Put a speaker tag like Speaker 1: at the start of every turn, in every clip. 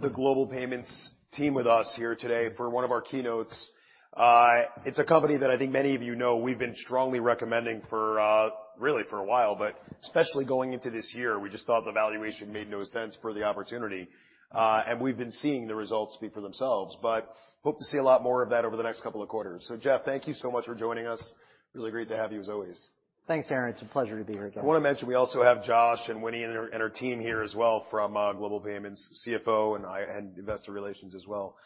Speaker 1: The Global Payments team with us here today for one of our keynotes. It's a company that I think many of you know we've been strongly recommending for, really for a while, but especially going into this year. We just thought the valuation made no sense for the opportunity. We've been seeing the results speak for themselves. Hope to see a lot more of that over the next couple of quarters. Jeff, thank you so much for joining us, really great to have you, as always.
Speaker 2: Thanks, Darrin. It's a pleasure to be here, Darrin.
Speaker 1: I wanna mention we also have Josh and Winnie and her, and her team here as well from Global Payments, CFO and investor relations as well.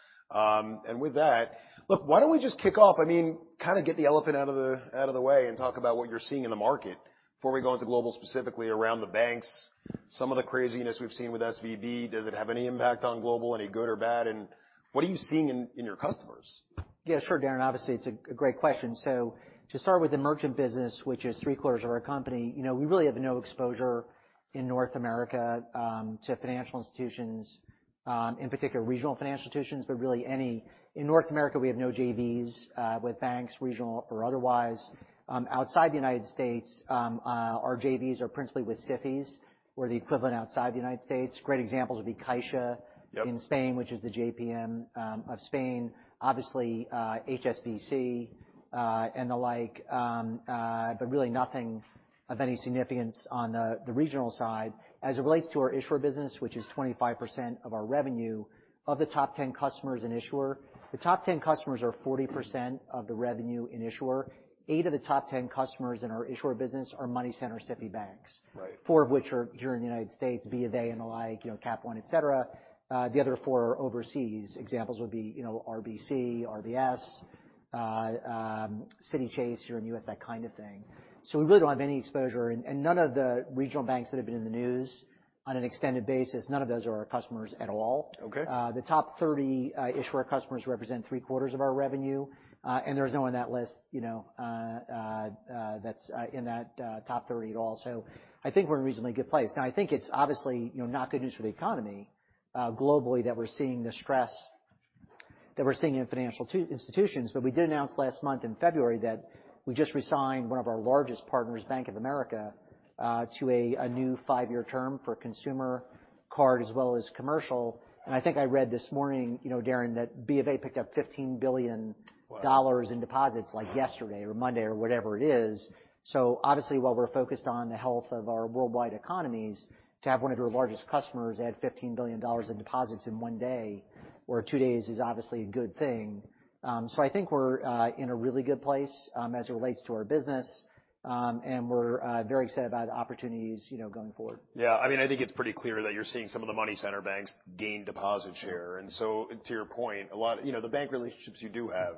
Speaker 1: With that... Look, why don't we just kick off, I mean, kind of get the elephant out of the way and talk about what you're seeing in the market before we go into Global specifically around the banks. Some of the craziness we've seen with SVB, does it have any impact on Global, any good or bad? What are you seeing in your customers?
Speaker 2: Yeah, sure, Darrin, obviously it's a great question. To start with the merchant business, which is three-quarters of our company, you know, we really have no exposure in North America to financial institutions, in particular regional financial institutions, but really any. In North America, we have no JVs with banks, regional or otherwise. Outside United States, our JVs are principally with SIFIs or the equivalent outside the United States. Great examples would be Caixa.
Speaker 1: Yep.
Speaker 2: -in Spain, which is the JPM of Spain. Obviously, HSBC and the like, but really nothing of any significance on the regional side. As it relates to our issuer business, which is 25% of our revenue, of the top 10 customers and issuer, the top 10 customers are 40% of the revenue in issuer. Eight of the top 10 customers in our issuer business are money center SIFI banks.
Speaker 1: Right.
Speaker 2: Four of which are here in the United States, B of A and the like, you know, Cap One, et cetera. The other four are overseas. Examples would be, you know, RBC, RBS, Citi, Chase here in U.S., that kind of thing. We really don't have any exposure and none of the regional banks that have been in the news on an extended basis, none of those are our customers at all.
Speaker 1: Okay.
Speaker 2: The top 30 issuer customers represent three-quarters of our revenue, and there's no one that list, you know, that's in that top 30 at all. I think we're in a reasonably good place. I think it's obviously, you know, not good news for the economy, globally, that we're seeing the stress that we're seeing in financial institutions. We did announce last month in February that we just resigned one of our largest partners, Bank of America, to a new five-year term for consumer card as well as commercial. I think I read this morning, you know, Darrin, that B of A picked up $15 billion.
Speaker 1: Wow.
Speaker 2: in deposits like yesterday or Monday or whatever it is. Obviously, while we're focused on the health of our worldwide economies, to have one of your largest customers add $15 billion in deposits in one day or two days is obviously a good thing. I think we're in a really good place as it relates to our business. we're very excited about opportunities, you know, going forward.
Speaker 1: Yeah. I mean, I think it's pretty clear that you're seeing some of the money center banks gain deposit share. To your point, you know, the bank relationships you do have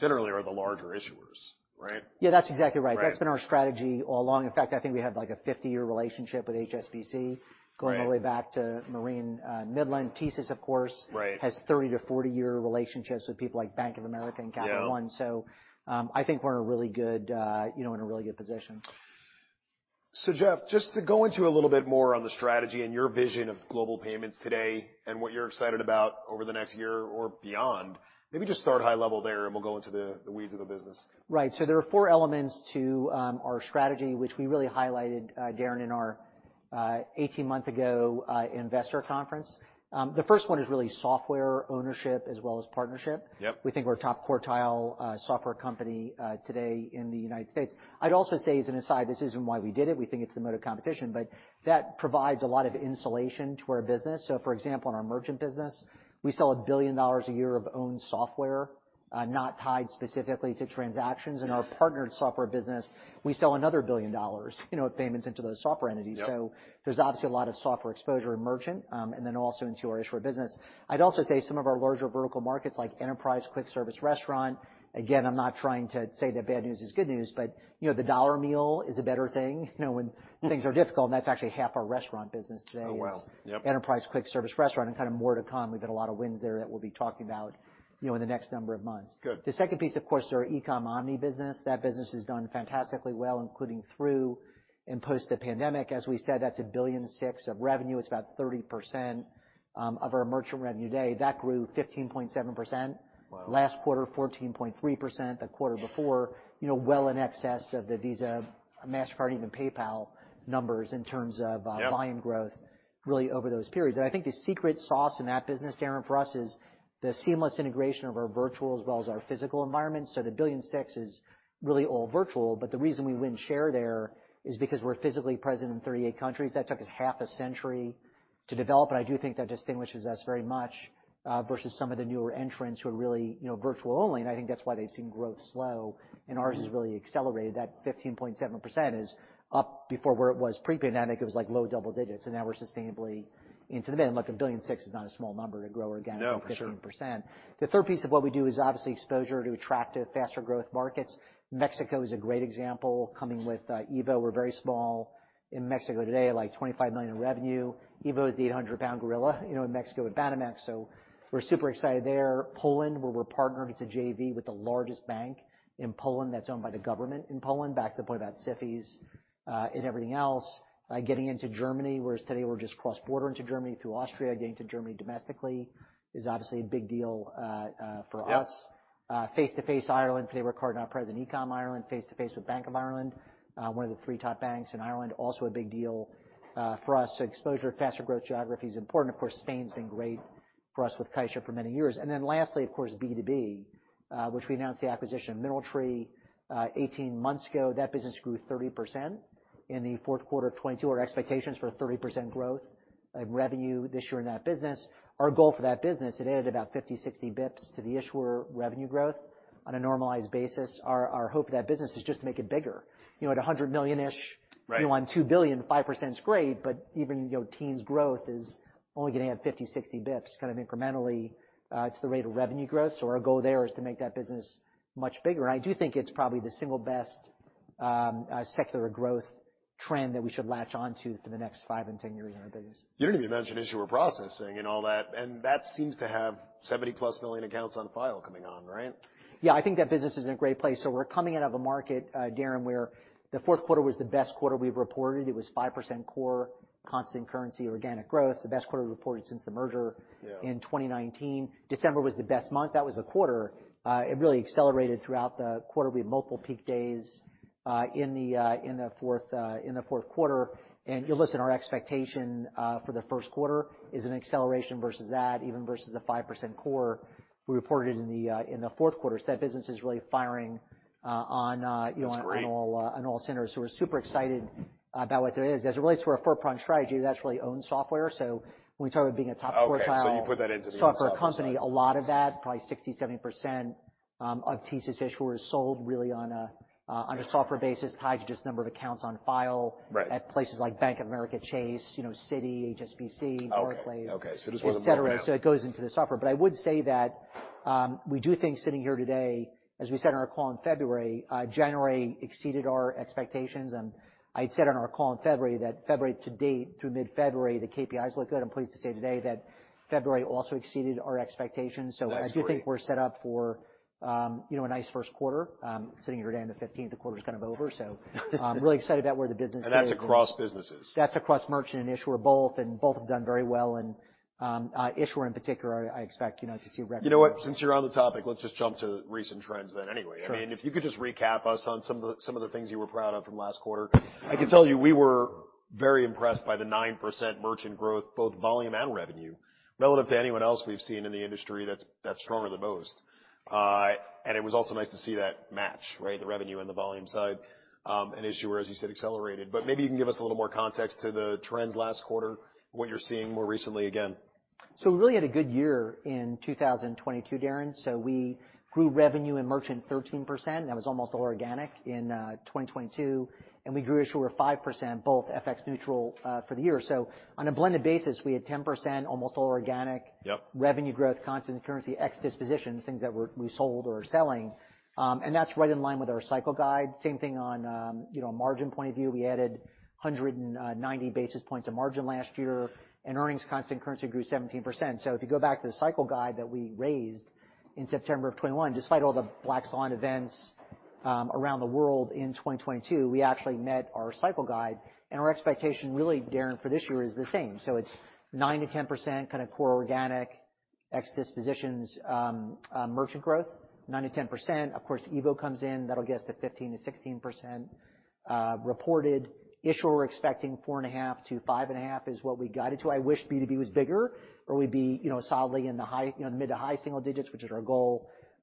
Speaker 1: generally are the larger issuers, right?
Speaker 2: Yeah. That's exactly right.
Speaker 1: Right.
Speaker 2: That's been our strategy all along. In fact, I think we have like a 50-year relationship with HSBC.
Speaker 1: Right.
Speaker 2: going all the way back to Marine Midland. TSYS, of course-
Speaker 1: Right.
Speaker 2: has 30-40-year relationships with people like Bank of America and Capital One.
Speaker 1: Yeah.
Speaker 2: I think we're in a really good, you know, in a really good position.
Speaker 1: Jeff, just to go into a little bit more on the strategy and your vision of Global Payments today and what you're excited about over the next year or beyond, maybe just start high level there, and we'll go into the weeds of the business.
Speaker 2: Right. There are four elements to our strategy, which we really highlighted, Darrin, in our 18-month ago investor conference. The first one is really software ownership as well as partnership.
Speaker 1: Yep.
Speaker 2: We think we're a top quartile software company today in the United States. I'd also say as an aside, this isn't why we did it, we think it's the mode of competition, but that provides a lot of insulation to our business. For example, in our merchant business, we sell $1 billion a year of own software, not tied specifically to transactions. In our partnered software business, we sell another $1 billion, you know, of payments into those software entities.
Speaker 1: Yep.
Speaker 2: There's obviously a lot of software exposure in merchant, and then also into our issuer business. I'd also say some of our larger vertical markets like enterprise, quick service restaurant. I'm not trying to say that bad news is good news, but, you know, the dollar meal is a better thing, you know, when things are difficult, and that's actually half our restaurant business today.
Speaker 1: Oh, wow. Yep.
Speaker 2: is enterprise quick service restaurant and kind of more to come. We've got a lot of wins there that we'll be talking about, you know, in the next number of months.
Speaker 1: Good.
Speaker 2: The second piece, of course, is our eCom omni business. That business has done fantastically well, including through and post the pandemic. As we said, that's $1.6 billion of revenue. It's about 30% of our merchant revenue today. That grew 15.7%.
Speaker 1: Wow.
Speaker 2: Last quarter, 14.3%. The quarter before, you know, well in excess of the Visa, Mastercard, even PayPal numbers in terms of-
Speaker 1: Yep.
Speaker 2: volume growth really over those periods. I think the secret sauce in that business, Darrin, for us, is the seamless integration of our virtual as well as our physical environment. The $1.6 billion is really all virtual, but the reason we win share there is because we're physically present in 38 countries. That took us half a century to develop, and I do think that distinguishes us very much versus some of the newer entrants who are really, you know, virtual only, and I think that's why they've seen growth slow, and ours has really accelerated. That 15.7% is up before where it was pre-pandemic, it was like low double digits, and now we're sustainably into the $1 billion. Look, a $1.6 billion is not a small number to grow again.
Speaker 1: No, for sure.
Speaker 2: 15%. The third piece of what we do is obviously exposure to attractive faster growth markets. Mexico is a great example coming with EVO. We're very small in Mexico today, like $25 million in revenue. EVO is the 800 lbs gorilla, you know, in Mexico with Banamex. We're super excited there. Poland, where we're partnering. It's a JV with the largest bank in Poland, that's owned by the government in Poland, back to the point about SIFIs and everything else. Getting into Germany, whereas today we're just cross-border into Germany through Austria, getting to Germany domestically is obviously a big deal for us.
Speaker 1: Yeah.
Speaker 2: Face-to-face Ireland, today we're card not present, eCom Ireland, face-to-face with Bank of Ireland, one of the three top banks in Ireland, also a big deal for us. Exposure to faster growth geography is important. Of course, Spain's been great for us with Caixa for many years. Lastly, of course, B2B, which we announced the acquisition of MineralTree, 18 months ago. That business grew 30% in the fourth quarter of 2022. Our expectations for 30% growth of revenue this year in that business. Our goal for that business, it added about 50 basis points, 60 basis points to the issuer revenue growth on a normalized basis. Our hope for that business is just to make it bigger. You know, at a $100 million-ish-
Speaker 1: Right.
Speaker 2: You want $2 billion. 5% is great. Even, you know, teens growth is only gonna add 50 basis points, 60 basis points kind of incrementally to the rate of revenue growth. Our goal there is to make that business much bigger. I do think it's probably the single best secular growth trend that we should latch on to for the next five and 10 years in our business.
Speaker 1: You didn't even mention issuer processing and all that, and that seems to have 70+ million accounts on file coming on, right?
Speaker 2: Yeah, I think that business is in a great place. We're coming out of a market, Darrin, where the fourth quarter was the best quarter we've reported. It was 5% core constant currency organic growth, the best quarter we've reported since the merger.
Speaker 1: Yeah.
Speaker 2: In 2019. December was the best month. That was a quarter. It really accelerated throughout the quarter. We had multiple peak days in the fourth quarter. You'll listen, our expectation for the first quarter is an acceleration versus that, even versus the 5% core we reported in the fourth quarter. That business is really firing on.
Speaker 1: That's great.
Speaker 2: On all, on all cylinders, we're super excited about what that is. As it relates to our four-pronged strategy, that's really owned software. When we talk about being a top quartile.
Speaker 1: Okay. You put that into one software.
Speaker 2: software company, a lot of that, probably 60%, 70%, of TSYS' issuers sold really on a software basis, tied to just number of accounts on file
Speaker 1: Right.
Speaker 2: at places like Bank of America, Chase, you know, Citi, HSBC, Barclays.
Speaker 1: Okay. Okay. Just one more for now.
Speaker 2: Et cetera. It goes into the software. I would say that we do think sitting here today, as we said on our call in February, January exceeded our expectations, and I'd said on our call in February that February to date, through mid-February, the KPIs look good. I'm pleased to say today that February also exceeded our expectations.
Speaker 1: That's great.
Speaker 2: I do think we're set up for, you know, a nice first quarter, sitting here today on the 15th, the quarter's kind of over. I'm really excited about where the business is.
Speaker 1: That's across businesses.
Speaker 2: That's across merchant and issuer both, and both have done very well. Issuer in particular, I expect, you know, to see.
Speaker 1: You know what, since you're on the topic, let's just jump to recent trends then anyway.
Speaker 2: Sure.
Speaker 1: I mean, if you could just recap us on some of the things you were proud of from last quarter. I can tell you we were very impressed by the 9% merchant growth, both volume and revenue. Relative to anyone else we've seen in the industry, that's stronger than most. And it was also nice to see that match, right? The revenue and the volume side, and issuer, as you said, accelerated. Maybe you can give us a little more context to the trends last quarter, what you're seeing more recently again.
Speaker 2: We really had a good year in 2022, Darrin. We grew revenue in merchant 13%. That was almost all organic in 2022. We grew issuer 5%, both FX neutral for the year. On a blended basis, we had 10% almost all organic.
Speaker 1: Yep.
Speaker 2: revenue growth, constant currency, ex dispositions, things that we sold or are selling. That's right in line with our cycle guide. Same thing on, you know, a margin point of view. We added 190 basis points of margin last year, and earnings constant currency grew 17%. If you go back to the cycle guide that we raised in September of 2021, despite all the black swan events around the world in 2022, we actually met our cycle guide, and our expectation really, Darrin, for this year is the same. It's 9%-10% kind of core organic ex dispositions, merchant growth, 9%-10%. Of course, EVO comes in, that'll get us to 15%-16% reported. Issuer, we're expecting 4.5%-5.5% Is what we guided to. I wish B2B was bigger or we'd be, you know, solidly in the high, you know, mid to high single digits, which is our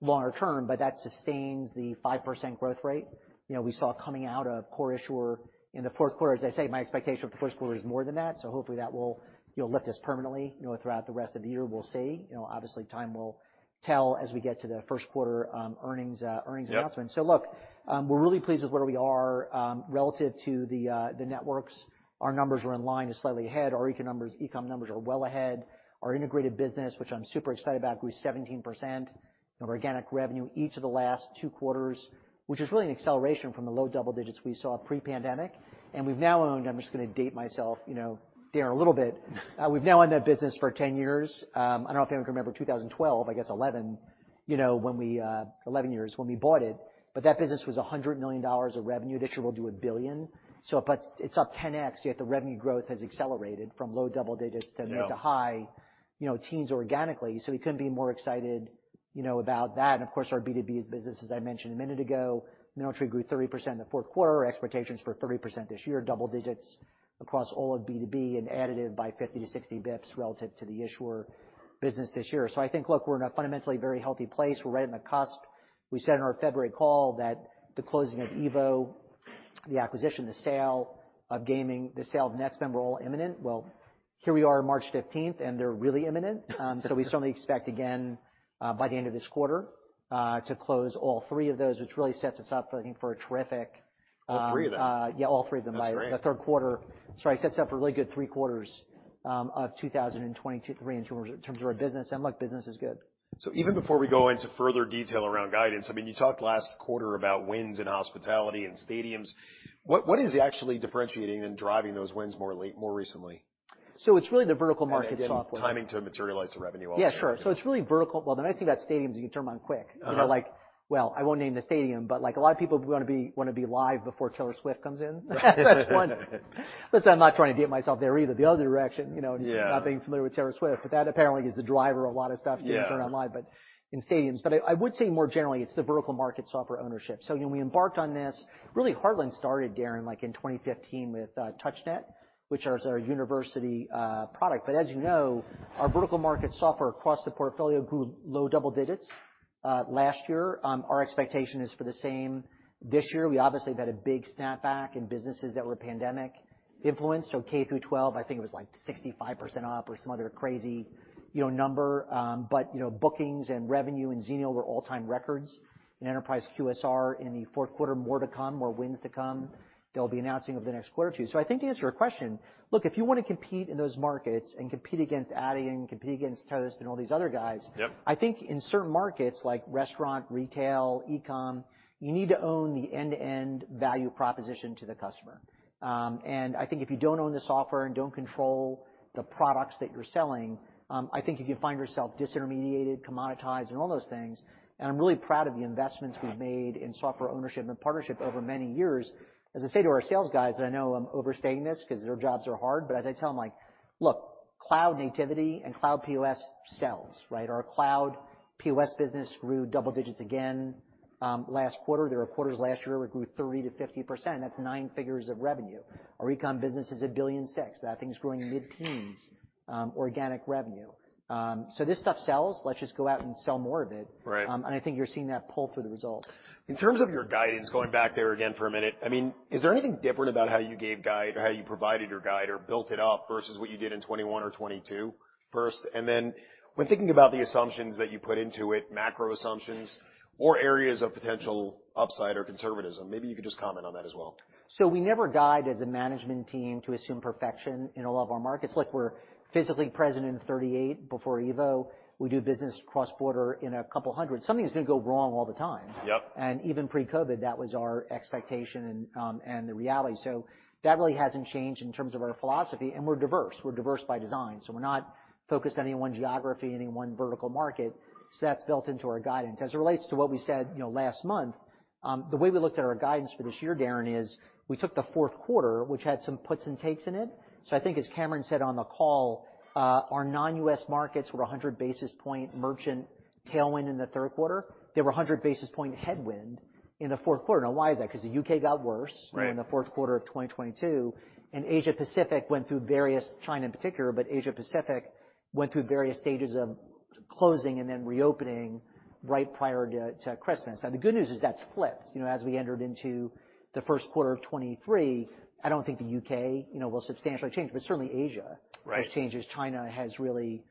Speaker 2: goal longer term, but that sustains the 5% growth rate. You know, we saw coming out of core Issuer in the fourth quarter. As I say, my expectation for the first quarter is more than that, so hopefully that will, you know, lift us permanently, you know, throughout the rest of the year. We'll see. You know, obviously, time will tell as we get to the first quarter, earnings announcement.
Speaker 1: Yep.
Speaker 2: Look, we're really pleased with where we are relative to the networks. Our numbers are in line to slightly ahead. Our eCom numbers are well ahead. Our integrated business, which I'm super excited about, grew 17% of organic revenue each of the last two quarters, which is really an acceleration from the low double digits we saw pre-pandemic. We've now owned, I'm just gonna date myself, you know, Darrin, a little bit. We've now owned that business for 10 years. I don't know if anyone can remember 2012, I guess 2011, you know, when we 11 years when we bought it, but that business was $100 million of revenue. This year, we'll do $1 billion. It's up 10x, yet the revenue growth has accelerated from low double digits-
Speaker 1: Yeah.
Speaker 2: to mid to high, you know, teens organically. We couldn't be more excited, you know, about that. Of course, our B2B business, as I mentioned a minute ago, MineralTree grew 3% in the fourth quarter. Our expectations for 30% this year, double digits across all of B2B and additive by 50 basis points-60 basis points relative to the issuer business this year. I think, look, we're in a fundamentally very healthy place. We're right on the cusp. We said in our February call that the closing of EVO, the acquisition, the sale of gaming, the sale of Netspend were all imminent. Here we are March 15th, and they're really imminent. We certainly expect again by the end of this quarter to close all three of those, which really sets us up, I think, for a terrific.
Speaker 1: All three of them?
Speaker 2: Yeah, all three of them.
Speaker 1: That's great.
Speaker 2: the third quarter. Sorry. Sets up a really good three quarters, of 2023 in terms of our business. Look, business is good.
Speaker 1: Even before we go into further detail around guidance, I mean, you talked last quarter about wins in hospitality and stadiums. What is actually differentiating and driving those wins more recently?
Speaker 2: It's really the vertical market software.
Speaker 1: Timing to materialize the revenue also.
Speaker 2: Yeah, sure. It's really vertical. Well, the nice thing about stadiums, you can turn them on quick.
Speaker 1: Uh-huh.
Speaker 2: You know, like, well, I won't name the stadium, but like a lot of people wanna be live before Taylor Swift comes in. That's one. Listen, I'm not trying to date myself there either the other direction, you know.
Speaker 1: Yeah.
Speaker 2: Not being familiar with Taylor Swift, but that apparently is the driver of a lot of stuff.
Speaker 1: Yeah.
Speaker 2: To turn on live, but in stadiums. I would say more generally, it's the vertical market software ownership. You know, when we embarked on this, really Heartland started, Darrin, like in 2015 with, TouchNet, which is our university, product. As you know, our vertical market software across the portfolio grew low double digits, last year. Our expectation is for the same this year. We obviously had a big snapback in businesses that were pandemic influenced. K-12, I think it was like 65% off or some other crazy, you know, number. You know, bookings and revenue in Xenial were all-time records, in enterprise QSR in the fourth quarter, more to come, more wins to come. They'll be announcing over the next quarter or two. I think to answer your question, look, if you wanna compete in those markets and compete against Adyen, compete against Toast and all these other guys.
Speaker 1: Yep.
Speaker 2: I think in certain markets like restaurant, retail, eCom, you need to own the end-to-end value proposition to the customer. I think if you don't own the software and don't control the products that you're selling, I think you can find yourself disintermediated, commoditized, and all those things. I'm really proud of the investments we've made in software ownership and partnership over many years. As I say to our sales guys, and I know I'm overstating this 'cause their jobs are hard, but as I tell them, like, "Look, cloud nativity and cloud POS sells, right?" Our cloud POS business grew double digits again last quarter. There were quarters last year where it grew 30%-50%. That's nine figures of revenue. Our eCom business is $1.6 billion. That thing's growing mid-teens organic revenue. This stuff sells. Let's just go out and sell more of it.
Speaker 1: Right.
Speaker 2: I think you're seeing that pull through the results.
Speaker 1: In terms of your guidance, going back there again for a minute, I mean, is there anything different about how you gave guide or how you provided your guide or built it up versus what you did in 2021 or 2022 first? When thinking about the assumptions that you put into it, macro assumptions or areas of potential upside or conservatism, maybe you could just comment on that as well?
Speaker 2: We never guide as a management team to assume perfection in all of our markets. Look, we're physically present in 38 before EVO. We do business cross-border in a couple hundred. Something's gonna go wrong all the time.
Speaker 1: Yep.
Speaker 2: Even pre-COVID, that was our expectation and the reality. That really hasn't changed in terms of our philosophy, and we're diverse. We're diverse by design, we're not focused on any one geography, any one vertical market. That's built into our guidance. As it relates to what we said, you know, last month, the way we looked at our guidance for this year, Darrin, is we took the fourth quarter, which had some puts and takes in it. I think as Cameron said on the call, our non-U.S. markets were a 100 basis point merchant tailwind in the third quarter. They were a 100 basis point headwind in the fourth quarter. Now, why is that? 'Cause the U.K. got worse-
Speaker 1: Right.
Speaker 2: In the fourth quarter of 2022, Asia-Pacific went through various, China in particular, but Asia-Pacific went through various stages of closing and then reopening right prior to Christmas. Now, the good news is that's flipped. You know, as we entered into the first quarter of 2023, I don't think the U.K., you know, will substantially change, but certainly Asia-.
Speaker 1: Right.
Speaker 2: -has changed as China has really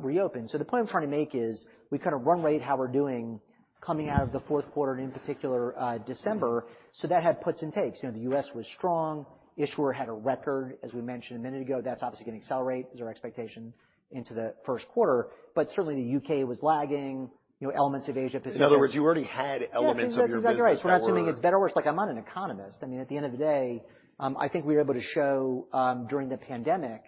Speaker 2: reopened. The point I'm trying to make is we kind of run rate how we're doing coming out of the fourth quarter, and in particular, December. That had puts and takes. You know, the U.S. was strong. Issuer had a record, as we mentioned a minute ago. That's obviously going to accelerate is our expectation into the first quarter. Certainly, the U.K. was lagging. You know, elements of Asia-Pacific-
Speaker 1: In other words, you already had elements of your business that were-.
Speaker 2: Yeah. I mean, that's exactly right. We're not assuming it's better or worse. Like, I'm not an economist. I mean, at the end of the day, I think we were able to show during the pandemic,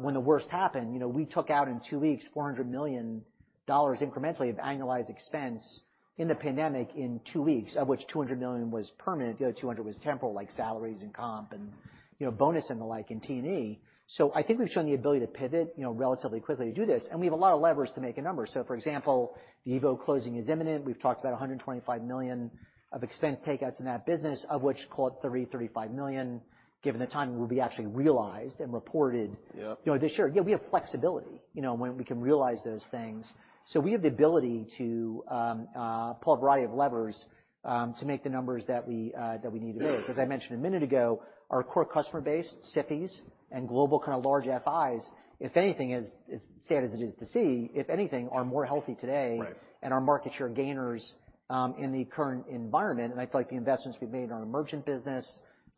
Speaker 2: when the worst happened, you know, we took out in two weeks $400 million incrementally of annualized expense in the pandemic in two weeks, of which $200 million was permanent. The other $200 million was temporal, like salaries and comp and, you know, bonus and the like in T&E. I think we've shown the ability to pivot, you know, relatively quickly to do this, and we have a lot of levers to make a number. For example, the EVO closing is imminent. We've talked about $125 million of expense takeouts in that business, of which call it $30 million-$35 million, given the timing, will be actually realized and reported.
Speaker 1: Yep.
Speaker 2: you know, this year. Yeah, we have flexibility, you know, when we can realize those things. We have the ability to pull a variety of levers to make the numbers that we that we need to hit. As I mentioned a minute ago, our core customer base, SIFIs and global kind of large FIs, if anything, as sad as it is to see, if anything, are more healthy today.
Speaker 1: Right.
Speaker 2: Our market share gainers in the current environment, and I feel like the investments we've made in our merchant business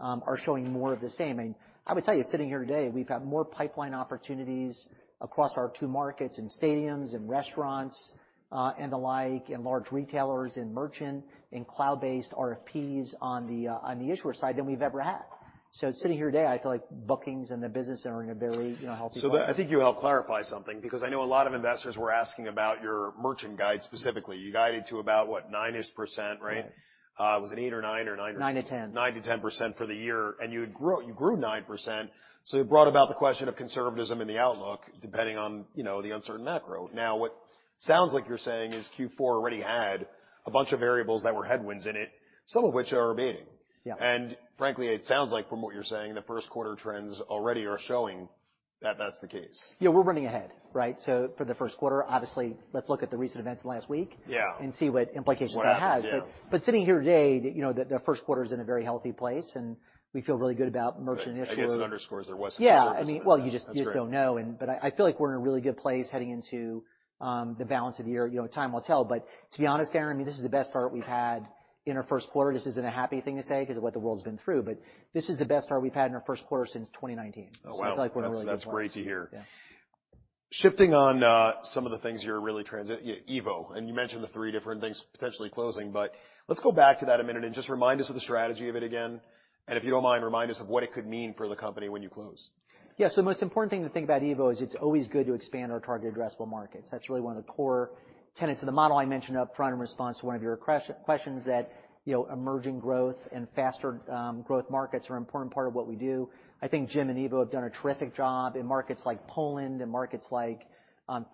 Speaker 2: are showing more of the same. I would tell you, sitting here today, we've got more pipeline opportunities across our two markets in stadiums and restaurants, and the like, and large retailers in merchant, in cloud-based RFPs on the issuer side than we've ever had. Sitting here today, I feel like bookings and the business are in a very, you know, healthy place.
Speaker 1: I think you helped clarify something because I know a lot of investors were asking about your merchant guide specifically. You guided to about, what, 9%-ish, right?
Speaker 2: Right.
Speaker 1: Was it 8% or 9% or so?
Speaker 2: 9%-10%.
Speaker 1: 9%-10% for the year. You grew 9%. It brought about the question of conservatism in the outlook, depending on, you know, the uncertain macro. What sounds like you're saying is Q4 already had a bunch of variables that were headwinds in it, some of which are abating.
Speaker 2: Yeah.
Speaker 1: Frankly, it sounds like from what you're saying, the first quarter trends already are showing that that's the case.
Speaker 2: Yeah, we're running ahead, right? For the first quarter, obviously let's look at the recent events in last week...
Speaker 1: Yeah.
Speaker 2: See what implications that has.
Speaker 1: What happens, yeah.
Speaker 2: Sitting here today, you know, the first quarter is in a very healthy place, and we feel really good about merchant and issuer.
Speaker 1: I guess it underscores there was some conservatism.
Speaker 2: Yeah. I mean, well, you.
Speaker 1: That's great.
Speaker 2: You just don't know and, but I feel like we're in a really good place heading into the balance of the year. You know, time will tell. To be honest, Darrin, I mean, this is the best start we've had in our first quarter. This isn't a happy thing to say because of what the world's been through. This is the best start we've had in our first quarter since 2019.
Speaker 1: Oh, wow.
Speaker 2: I feel like we're in a really good place.
Speaker 1: That's great to hear.
Speaker 2: Yeah.
Speaker 1: Shifting on, some of the things you're really EVO, and you mentioned the three different things potentially closing, but let's go back to that a minute and just remind us of the strategy of it again, and if you don't mind, remind us of what it could mean for the company when you close.
Speaker 2: The most important thing to think about EVO is it's always good to expand our target addressable markets. That's really one of the core tenets of the model I mentioned up front in response to one of your questions that, you know, emerging growth and faster growth markets are an important part of what we do. I think Jim and EVO have done a terrific job in markets like Poland and markets like,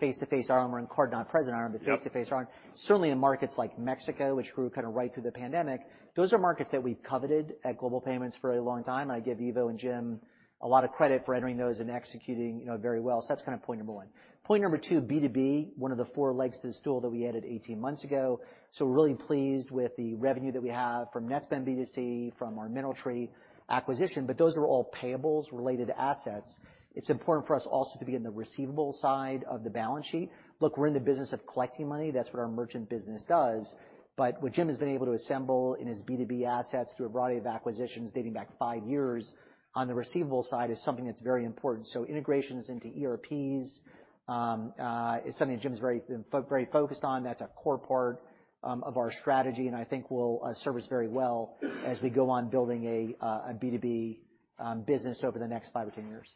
Speaker 2: face-to-face RMR and card-not-present RMR-
Speaker 1: Yep.
Speaker 2: Face-to-face RMR. Certainly in markets like Mexico, which grew kinda right through the pandemic, those are markets that we've coveted at Global Payments for a long time. I give EVO and Jim a lot of credit for entering those and executing, you know, very well. That's kind of point number one. Point number two, B2B, one of the four legs to the stool that we added 18 months ago. We're really pleased with the revenue that we have from Netspend B2C, from our MineralTree acquisition, but those are all payables related to assets. It's important for us also to be in the receivable side of the balance sheet. Look, we're in the business of collecting money. That's what our merchant business does. What Jim has been able to assemble in his B2B assets through a variety of acquisitions dating back five years on the receivable side is something that's very important. Integrations into ERPs is something that Jim's very focused on. That's a core part of our strategy, and I think will serve us very well as we go on building a B2B business over the next five or 10 years.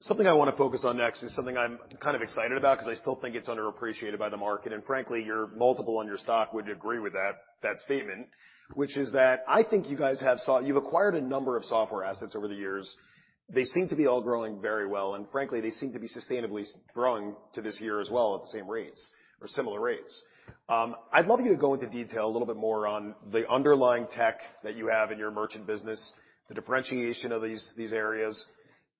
Speaker 1: Something I wanna focus on next is something I'm kind of excited about 'cause I still think it's underappreciated by the market. Frankly, your multiple on your stock would agree with that statement, which is that I think you guys have you've acquired a number of software assets over the years. They seem to be all growing very well, and frankly, they seem to be sustainably growing to this year as well at the same rates or similar rates. I'd love you to go into detail a little bit more on the underlying tech that you have in your merchant business, the differentiation of these areas,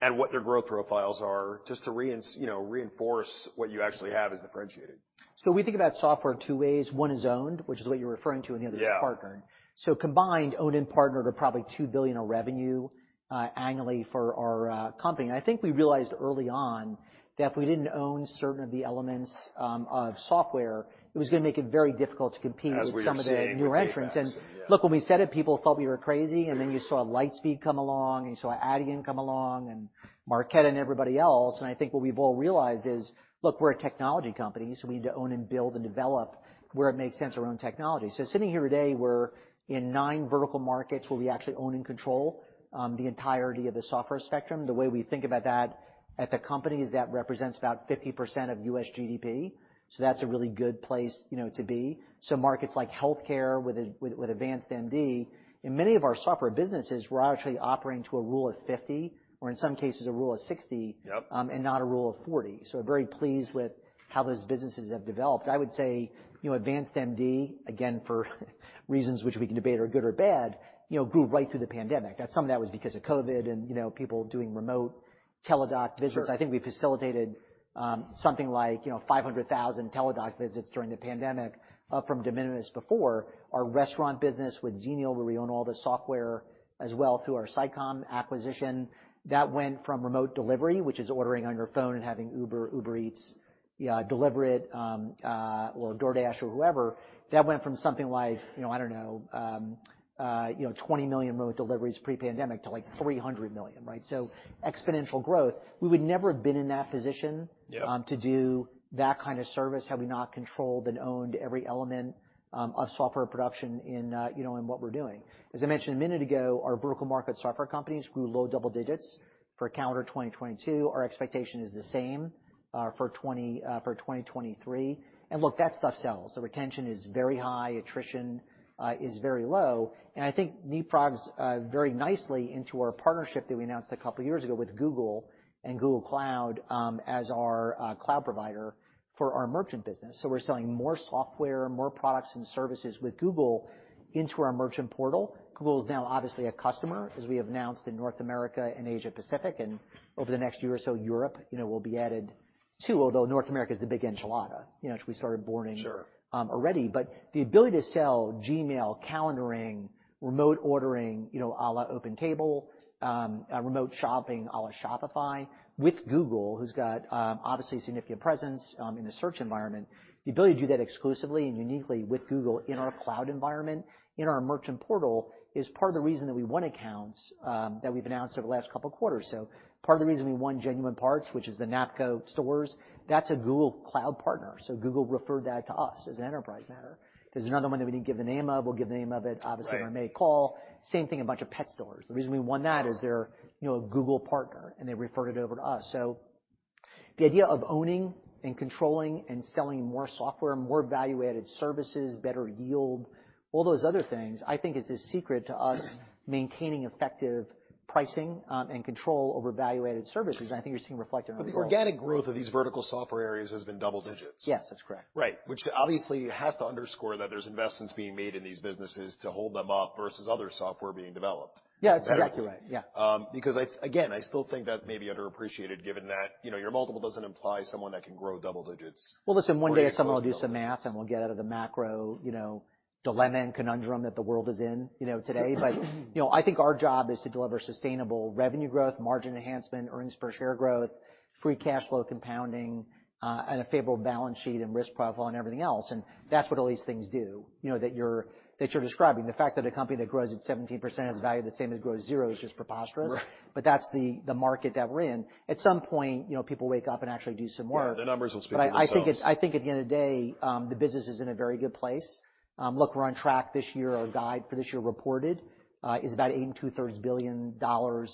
Speaker 1: and what their growth profiles are just to you know, reinforce what you actually have as differentiated.
Speaker 2: We think about software in two ways. one is owned, which is what you're referring to, and the other.
Speaker 1: Yeah
Speaker 2: ...is partnered. Combined, owned and partnered are probably $2 billion of revenue annually for our company. I think we realized early on that if we didn't own certain of the elements of software, it was gonna make it very difficult to compete-.
Speaker 1: As we are seeing with PayFac, yeah.
Speaker 2: ...with some of the newer entrants. Look, when we said it, people thought we were crazy, then you saw Lightspeed come along, and you saw Adyen come along and Marqeta and everybody else. I think what we've all realized is, look, we're a technology company, so we need to own and build and develop where it makes sense to own technology. Sitting here today, we're in nine vertical markets where we actually own and control the entirety of the software spectrum. The way we think about that at the company is that represents about 50% of U.S. GDP, so that's a really good place, you know, to be. Markets like healthcare with AdvancedMD. In many of our software businesses, we're actually operating to a rule of 50% or in some cases, a rule of 60%-
Speaker 1: Yep
Speaker 2: not a rule of 40%. very pleased with how those businesses have developed. I would say, you know, AdvancedMD, again, for reasons which we can debate are good or bad, you know, grew right through the pandemic. That's something that was because of COVID and, you know, people doing remote Teladoc visits.
Speaker 1: Sure.
Speaker 2: I think we facilitated, something like, you know, 500,000 Teladoc visits during the pandemic up from de minimis before. Our restaurant business with Xenial, where we own all the software as well through our SICOM acquisition, that went from remote delivery, which is ordering on your phone and having Uber Eats, Deliveroo, well DoorDash or whoever, that went from something like, you know, I don't know, you know, 20 million remote deliveries pre-pandemic to, like, 300 million, right? Exponential growth. We would never have been in that position.
Speaker 1: Yeah
Speaker 2: ...to do that kind of service had we not controlled and owned every element, of software production in, you know, in what we're doing. As I mentioned a minute ago, our vertical market software companies grew low double digits for calendar 2022. Our expectation is the same, for 2023. Look, that stuff sells. The retention is very high. Attrition, is very low. I think neatly, very nicely into our partnership that we announced two years ago with Google and Google Cloud, as our, cloud provider for our merchant business. We're selling more software, more products and services with Google into our merchant portal. Google is now obviously a customer, as we have announced in North America and Asia Pacific, and over the next year or so, Europe, you know, will be added too, although North America is the big enchilada, you know, which we started boarding-.
Speaker 1: Sure
Speaker 2: already. The ability to sell Gmail, calendaring, remote ordering, you know, à la OpenTable, remote shopping à la Shopify with Google, who's got obviously significant presence in the search environment. The ability to do that exclusively and uniquely with Google in our cloud environment, in our merchant portal is part of the reason that we won accounts that we've announced over the last couple quarters. Part of the reason we won Genuine Parts, which is the NAFCO stores, that's a Google Cloud partner. Google referred that to us as an enterprise matter. There's another one that we didn't give the name of. We'll give the name of it obviously.
Speaker 1: Right
Speaker 2: ...when I make a call. Same thing, a bunch of pet stores. The reason we won that is they're, you know, a Google partner, and they referred it over to us. The idea of owning and controlling and selling more software, more value-added services, better yield, all those other things, I think is the secret to us maintaining effective pricing, and control over value-added services. I think you're seeing reflected in our results.
Speaker 1: The organic growth of these vertical software areas has been double digits.
Speaker 2: Yes, that's correct.
Speaker 1: Right. Which obviously has to underscore that there's investments being made in these businesses to hold them up versus other software being developed.
Speaker 2: Yeah, that's exactly right. Yeah.
Speaker 1: Because again, I still think that may be underappreciated given that, you know, your multiple doesn't imply someone that can grow double digits.
Speaker 2: Well, listen, one day someone will do some math. We'll get out of the macro, you know, dilemma and conundrum that the world is in, you know, today. You know, I think our job is to deliver sustainable revenue growth, margin enhancement, earnings per share growth, free cash flow compounding, and a favorable balance sheet and risk profile and everything else. That's what all these things do, you know, that you're describing. The fact that a company that grows at 17% is valued the same as grows zero is just preposterous.
Speaker 1: Right.
Speaker 2: That's the market that we're in. At some point, you know, people wake up and actually do some work.
Speaker 1: Yeah, the numbers will speak for themselves.
Speaker 2: I think at the end of the day, the business is in a very good place. Look, we're on track this year. Our guide for this year reported, is about $8 and 2/3 billion dollar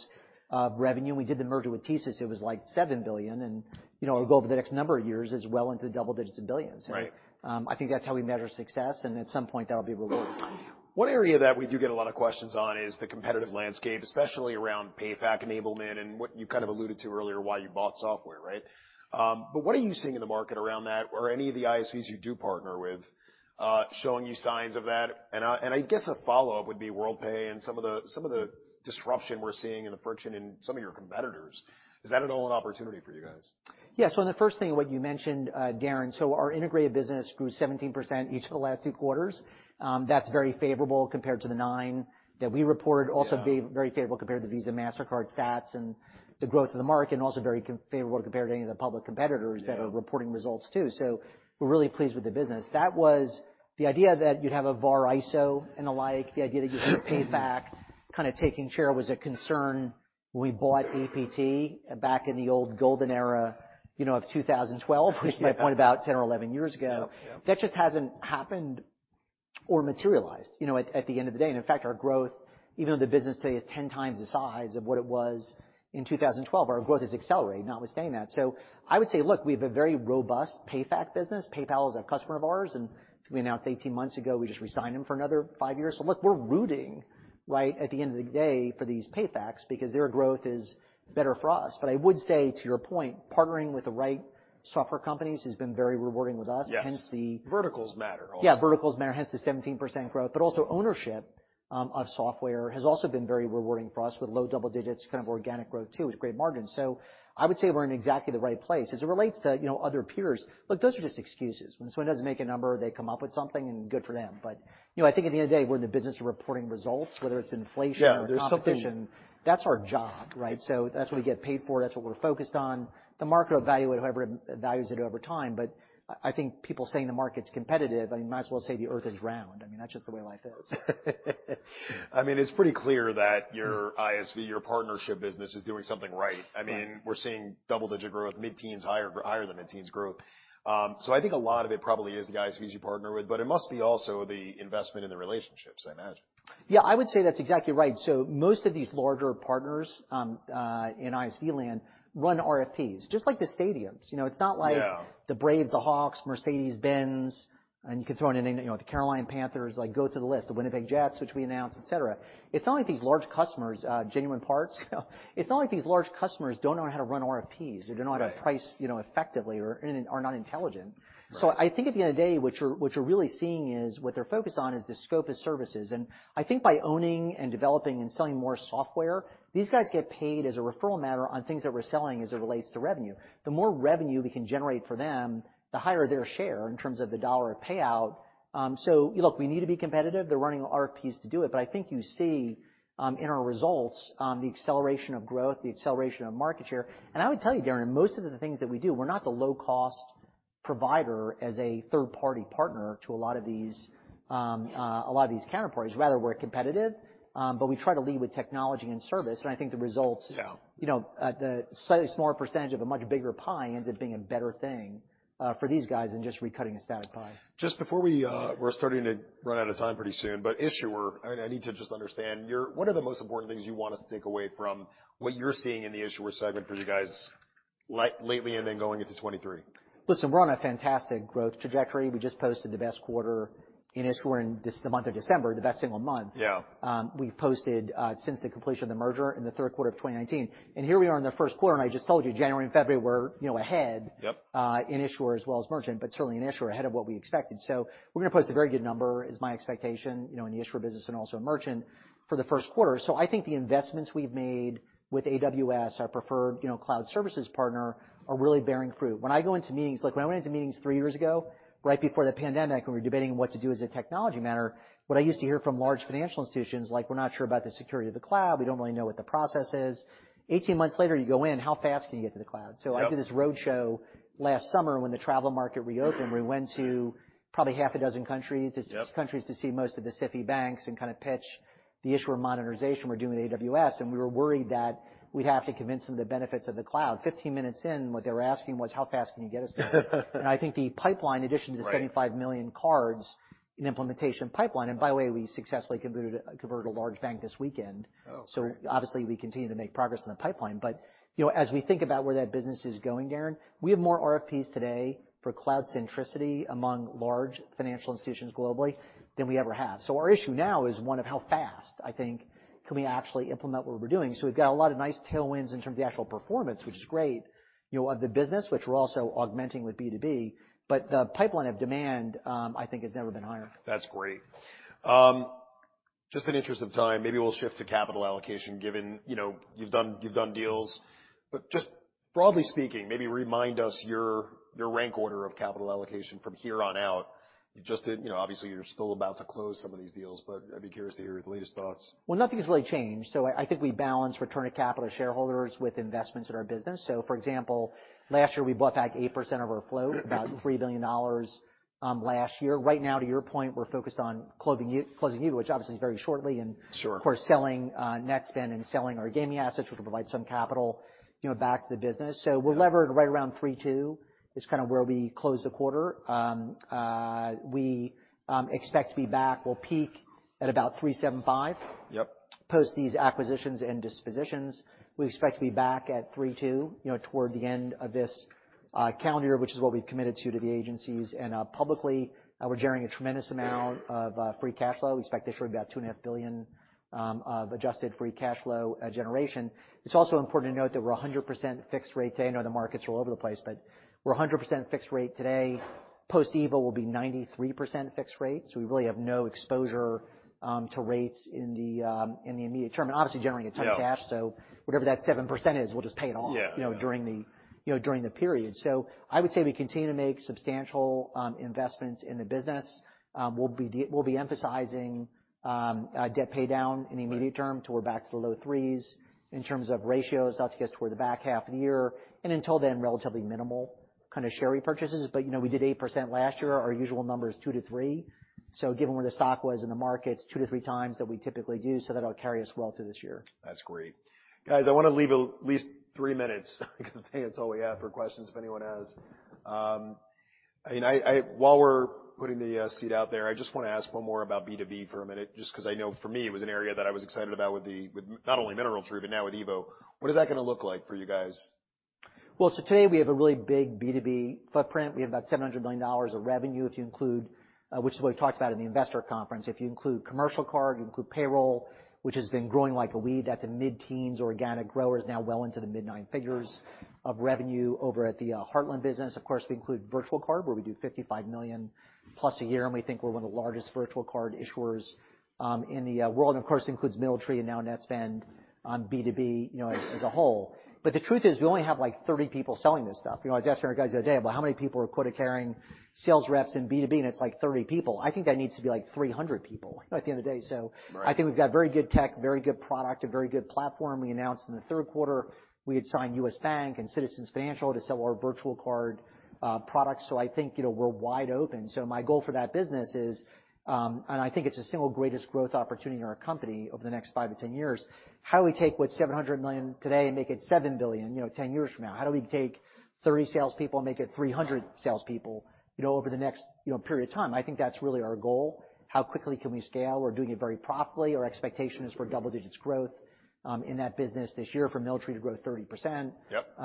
Speaker 2: of revenue. We did the merger with TSYS, it was like $7 billion. You know, it'll go over the next number of years as well into the double digits of billions.
Speaker 1: Right.
Speaker 2: I think that's how we measure success, and at some point that'll be rewarded.
Speaker 1: One area that we do get a lot of questions on is the competitive landscape, especially around PayFac enablement and what you kind of alluded to earlier, why you bought software, right? What are you seeing in the market around that or any of the ISVs you do partner with, showing you signs of that? I guess a follow-up would be Worldpay and some of the disruption we're seeing and the friction in some of your competitors. Is that at all an opportunity for you guys?
Speaker 2: Yeah. On the first thing, what you mentioned, Darrin, so our integrated business grew 17% each of the last two quarters. That's very favorable compared to the 9% that we reported.
Speaker 1: Yeah.
Speaker 2: Also very favorable compared to Visa, Mastercard stats and the growth of the market, and also very favorable compared to any of the public competitors.
Speaker 1: Yeah...
Speaker 2: that are reporting results too. We're really pleased with the business. That was the idea that you'd have a bar ISO and the like, the idea that you had PayFac kind of taking share was a concern when we bought APT back in the old golden era, you know, of 2012. Which is about 10 or 11 years ago.
Speaker 1: Yep.
Speaker 2: That just hasn't happened or materialized, you know, at the end of the day. In fact, our growth, even though the business today is 10x the size of what it was in 2012, our growth has accelerated notwithstanding that. I would say, look, we have a very robust PayFac business. PayPal is a customer of ours, and we announced 18 months ago, we just resigned them for another five years. Look, we're rooting right at the end of the day for these PayFacs because their growth is better for us. I would say to your point, partnering with the right software companies has been very rewarding with us.
Speaker 1: Yes.
Speaker 2: Hence,
Speaker 1: Verticals matter also.
Speaker 2: Yeah, verticals matter, hence the 17% growth. Also ownership of software has also been very rewarding for us with low double digits, kind of organic growth too, with great margins. I would say we're in exactly the right place. As it relates to, you know, other peers. Look, those are just excuses. When someone doesn't make a number, they come up with something, and good for them. You know, I think at the end of the day, when the business are reporting results, whether it's inflation-
Speaker 1: Yeah, there's....
Speaker 2: or competition, that's our job, right? That's what we get paid for. That's what we're focused on. The market will evaluate however it values it over time. I think people saying the market's competitive, I mean, might as well say the earth is round. I mean, that's just the way life is.
Speaker 1: I mean, it's pretty clear that your ISV, your partnership business is doing something right.
Speaker 2: Right.
Speaker 1: I mean, we're seeing double-digit growth, mid-teens, higher than mid-teens growth. I think a lot of it probably is the ISVs you partner with, but it must be also the investment in the relationships, I imagine.
Speaker 2: Yeah, I would say that's exactly right. Most of these larger partners, in ISV land run RFPs, just like the stadiums. You know.
Speaker 1: Yeah...
Speaker 2: it's not like the Braves, the Hawks, Mercedes-Benz, and you can throw in any, you know, the Carolina Panthers, like, go through the list, the Winnipeg Jets, which we announced, et cetera. It's not like these large customers, Genuine Parts, you know. It's not like these large customers don't know how to run RFPs or don't know how to price-
Speaker 1: Right...
Speaker 2: you know, effectively or are not intelligent.
Speaker 1: Right.
Speaker 2: I think at the end of the day, what you're really seeing is what they're focused on is the scope of services. I think by owning and developing and selling more software, these guys get paid as a referral matter on things that we're selling as it relates to revenue. The more revenue we can generate for them, the higher their share in terms of the dollar payout. Look, we need to be competitive. They're running RFPs to do it. I think you see, in our results, the acceleration of growth, the acceleration of market share. I would tell you, Darrin, most of the things that we do, we're not the low-cost provider as a third-party partner to a lot of these, a lot of these counterparts. Rather, we're competitive, but we try to lead with technology and service, and I think the results-
Speaker 1: Yeah...
Speaker 2: you know, at the slightly smaller percentage of a much bigger pie ends up being a better thing, for these guys than just recutting a static pie.
Speaker 1: Just before we. We're starting to run out of time pretty soon. Issuer, I need to just understand. What are the most important things you want us to take away from what you're seeing in the issuer segment for you guys lately and then going into 2023?
Speaker 2: Listen, we're on a fantastic growth trajectory. We just posted the best quarter in issuer in this, the month of December, the best single month...
Speaker 1: Yeah...
Speaker 2: we've posted, since the completion of the merger in the third quarter of 2019. Here we are in the first quarter, and I just told you, January and February we're, you know, ahead...
Speaker 1: Yep...
Speaker 2: in issuer as well as merchant, but certainly in issuer ahead of what we expected. We're gonna post a very good number, is my expectation, you know, in the issuer business and also in merchant for the first quarter. I think the investments we've made with AWS, our preferred, you know, cloud services partner, are really bearing fruit. When I go into meetings, like when I went into meetings three years ago right before the pandemic, and we were debating what to do as a technology matter, what I used to hear from large financial institutions like, "We're not sure about the security of the cloud. We don't really know what the process is." 18 months later, you go in, how fast can you get to the cloud?
Speaker 1: Yep.
Speaker 2: I did this roadshow last summer when the travel market reopened. We went to probably half a dozen countries.
Speaker 1: Yep...
Speaker 2: to see most of the SIFI banks and kinda pitch the issuer modernization we're doing with AWS, and we were worried that we'd have to convince them of the benefits of the cloud. 15 minutes in, what they were asking was, "How fast can you get us there?" I think the pipeline addition-
Speaker 1: Right...
Speaker 2: to the 75 million cards in implementation pipeline, and by the way, we successfully converted a large bank this weekend.
Speaker 1: Oh, okay.
Speaker 2: Obviously we continue to make progress in the pipeline. You know, as we think about where that business is going, Darrin, we have more RFPs today for cloud centricity among large financial institutions globally than we ever have. Our issue now is one of how fast, I think, can we actually implement what we're doing? We've got a lot of nice tailwinds in terms of the actual performance, which is great, you know, of the business, which we're also augmenting with B2B, but the pipeline of demand, I think has never been higher.
Speaker 1: That's great. Just in interest of time, maybe we'll shift to capital allocation, given, you know, you've done deals. Just broadly speaking, maybe remind us your rank order of capital allocation from here on out. You just did, you know, obviously, you're still about to close some of these deals, but I'd be curious to hear your latest thoughts.
Speaker 2: Nothing has really changed. I think we balance return to capital shareholders with investments in our business. For example, last year, we bought back 8% of our float, about $3 billion last year. Right now, to your point, we're focused on closing EVO, which obviously is very shortly.
Speaker 1: Sure.
Speaker 2: Of course, selling, Netspend and selling our gaming assets, which will provide some capital, you know, back to the business.
Speaker 1: Yeah.
Speaker 2: We're levered right around 3.2x, is kinda where we closed the quarter. We expect to be back. We'll peak at about 3.75x.
Speaker 1: Yep.
Speaker 2: Post these acquisitions and dispositions, we expect to be back at 3.2x, you know, toward the end of this calendar, which is what we've committed to the agencies. Publicly, we're generating a tremendous amount of free cash flow. We expect this year about $2.5 billion of adjusted free cash flow generation. It's also important to note that we're 100% fixed rate today. I know the markets are all over the place, but we're 100% fixed rate today. Post-EVO will be 93% fixed rate, so we really have no exposure to rates in the immediate term. Obviously generating a ton of cash.
Speaker 1: Yeah.
Speaker 2: Whatever that 7% is, we'll just pay it off.
Speaker 1: Yeah, yeah.
Speaker 2: -you know, during the, you know, during the period. I would say we continue to make substantial investments in the business. We'll be emphasizing debt pay down in the immediate term.
Speaker 1: Right.
Speaker 2: -till we're back to the low threes in terms of ratios, that's toward the back half of the year. Until then, relatively minimal kind of share repurchases. You know, we did 8% last year. Our usual number is 2%-3%. Given where the stock was in the markets, 2x-3x that we typically do, that'll carry us well through this year.
Speaker 1: That's great. Guys, I wanna leave at least three minutes because I think that's all we have for questions if anyone has. I mean, I while we're putting the seat out there, I just wanna ask one more about B2B for a minute, just 'cause I know for me, it was an area that I was excited about with the, with not only MineralTree, but now with EVO. What is that gonna look like for you guys?
Speaker 2: Today, we have a really big B2B footprint. We have about $700 million of revenue, if you include, which is what we talked about in the investor conference. If you include commercial card, you include payroll, which has been growing like a weed, that's a mid-teens organic growers, now well into the mid nine figures of revenue over at the Heartland business. Of course, we include virtual card, where we do $55 million+ a year, and we think we're one of the largest virtual card issuers in the world. Of course, includes MineralTree and now Netspend on B2B, you know, as a whole. The truth is, we only have, like, 30 people selling this stuff. You know, I was asking our guys the other day about how many people are quota-carrying sales reps in B2B, and it's, like, 30 people. I think that needs to be, like, 300 people at the end of the day.
Speaker 1: Right.
Speaker 2: I think we've got very good tech, very good product, a very good platform. We announced in the third quarter, we had signed U.S. Bank and Citizens Financial to sell our virtual card, products. I think, you know, we're wide open. My goal for that business is, and I think it's the single greatest growth opportunity in our company over the next five years-10 years, how do we take what's $700 million today and make it $7 billion, you know, 10 years from now. How do we take 30 salespeople and make it 300 salespeople, you know, over the next, you know, period of time. I think that's really our goal. How quickly can we scale? We're doing it very profitably. Our expectation is for double-digits growth in that business this year, for MineralTree to grow 30%.
Speaker 1: Yep.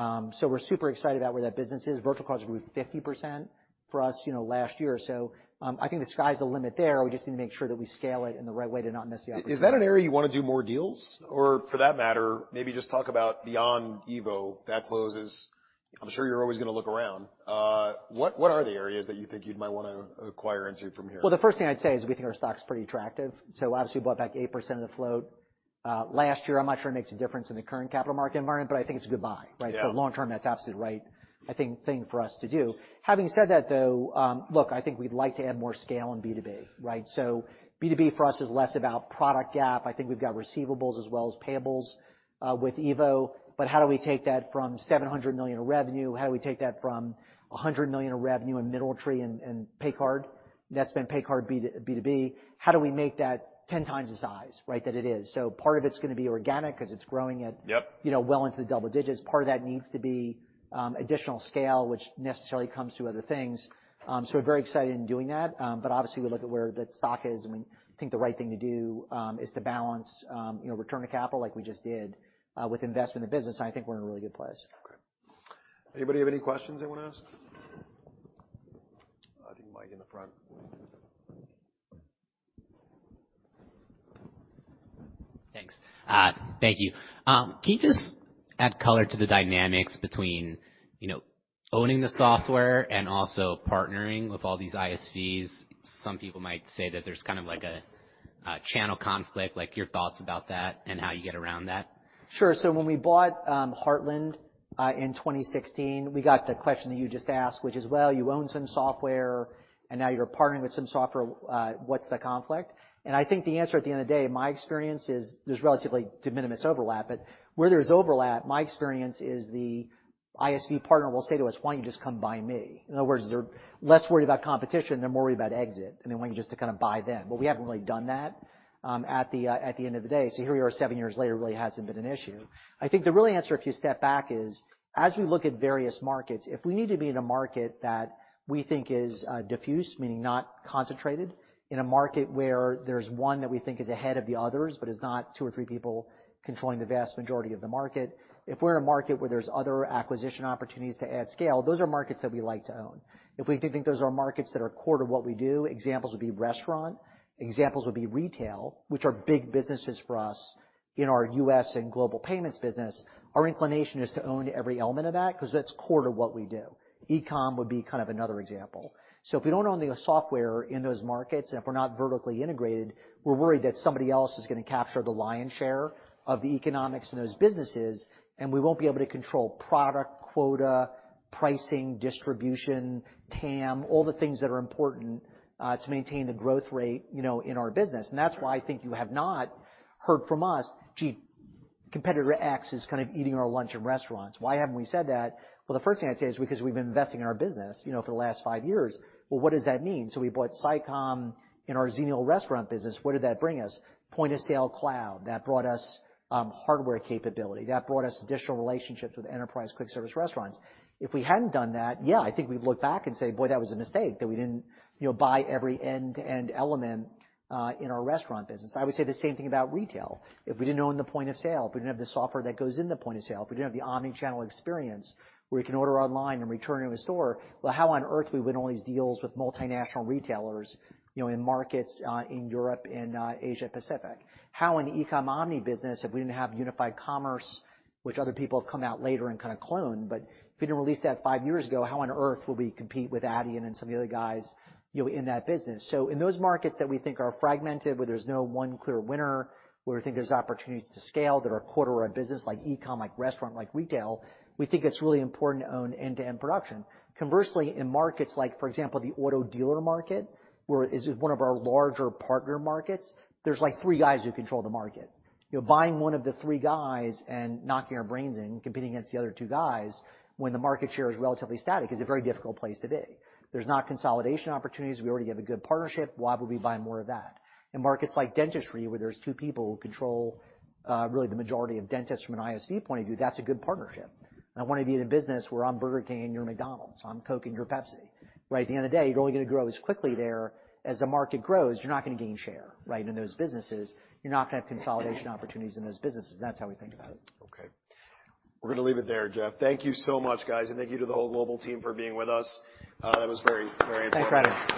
Speaker 2: We're super excited about where that business is. Virtual cards grew 50% for us, you know, last year. I think the sky's the limit there. We just need to make sure that we scale it in the right way to not miss the opportunity.
Speaker 1: Is that an area you wanna do more deals? Or for that matter, maybe just talk about beyond EVO that closes? I'm sure you're always gonna look around. What are the areas that you think you'd might wanna acquire into from here?
Speaker 2: Well, the first thing I'd say is we think our stock's pretty attractive. Obviously, we bought back 8% of the float last year. I'm not sure it makes a difference in the current capital market environment, but I think it's a good buy, right?
Speaker 1: Yeah.
Speaker 2: Long term, that's absolutely right, I think, thing for us to do. Having said that, though, look, I think we'd like to add more scale in B2B, right? B2B for us is less about product gap. I think we've got receivables as well as payables with EVO, but how do we take that from $700 million of revenue? How do we take that from $100 million of revenue in MineralTree and Paycard, Netspend Paycard B2B? How do we make that 10 times the size, right, that it is? Part of it's gonna be organic 'cause it's growing at.
Speaker 1: Yep.
Speaker 2: you know, well into the double digits. Part of that needs to be additional scale, which necessarily comes to other things. We're very excited in doing that. Obviously, we look at where the stock is, and we think the right thing to do, is to balance, you know, return to capital like we just did, with investment in the business, and I think we're in a really good place.
Speaker 1: Okay. Anybody have any questions they wanna ask? I think Mike in the front.
Speaker 3: Thanks. Thank you. Can you just add color to the dynamics between, you know, owning the software and also partnering with all these ISVs? Some people might say that there's kind of like a channel conflict, like your thoughts about that and how you get around that.
Speaker 2: Sure. When we bought Heartland, in 2016, we got the question that you just asked, which is, "Well, you own some software, and now you're partnering with some software. What's the conflict?" I think the answer at the end of the day, my experience is there's relatively de minimis overlap. Where there's overlap, my experience is the ISV partner will say to us, "Why don't you just come buy me?" In other words, they're less worried about competition, they're more worried about exit, and they want you just to kinda buy them. We haven't really done that, at the end of the day. Here we are seven years later, really hasn't been an issue. I think the real answer, if you step back, is as we look at various markets, if we need to be in a market that we think is diffused, meaning not concentrated, in a market where there's one that we think is ahead of the others, but is not two or three people controlling the vast majority of the market, if we're in a market where there's other acquisition opportunities to add scale, those are markets that we like to own. If we think those are markets that are core to what we do, examples would be restaurant, examples would be retail, which are big businesses for us in our U.S. and Global Payments business, our inclination is to own every element of that because that's core to what we do. eCom would be kind of another example. If we don't own the software in those markets, and if we're not vertically integrated, we're worried that somebody else is gonna capture the lion's share of the economics in those businesses, and we won't be able to control product, quota, pricing, distribution, TAM, all the things that are important to maintain the growth rate, you know, in our business. That's why I think you have not heard from us, "Gee, competitor X is kind of eating our lunch in restaurants." Why haven't we said that? The first thing I'd say is because we've been investing in our business, you know, for the last five years. What does that mean? We bought SICOM Systems in our Xenial restaurant business. What did that bring us? Point of sale cloud. That brought us hardware capability. That brought us additional relationships with enterprise quick service restaurants. If we hadn't done that, yeah, I think we'd look back and say, "Boy, that was a mistake, that we didn't, you know, buy every end-to-end element, in our restaurant business." I would say the same thing about retail. If we didn't own the point of sale, if we didn't have the software that goes in the point of sale, if we didn't have the omni-channel experience where you can order online and return in a store, well, how on earth we win all these deals with multinational retailers, you know, in markets, in Europe and, Asia-Pacific? How in the eCom omni business, if we didn't have unified commerce, which other people have come out later and kinda cloned, but if we didn't release that five years ago, how on earth will we compete with Adyen and some of the other guys, you know, in that business? In those markets that we think are fragmented, where there's no one clear winner, where we think there's opportunities to scale that are a quarter of our business like eCom, like restaurant, like retail, we think it's really important to own end-to-end production. Conversely, in markets like, for example, the auto dealer market, where it is one of our larger partner markets, there's like three guys who control the market. You know, buying one of the three guys and knocking our brains in, competing against the other two guys when the market share is relatively static is a very difficult place to be. There's not consolidation opportunities. We already have a good partnership. Why would we buy more of that? In markets like dentistry, where there's two people who control really the majority of dentists from an ISV point of view, that's a good partnership. I wanna be in a business where I'm Burger King and you're McDonald's, or I'm Coke and you're Pepsi, right? At the end of the day, you're only gonna grow as quickly there. As the market grows, you're not gonna gain share, right? In those businesses, you're not gonna have consolidation opportunities in those businesses. That's how we think about it.
Speaker 1: Okay. We're gonna leave it there, Jeff. Thank you so much, guys, and thank you to the whole global team for being with us. That was very, very informative.